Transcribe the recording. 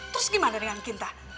terus gimana dengan kinta